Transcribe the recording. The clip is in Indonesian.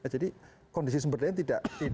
jadi kondisi sebenarnya tidak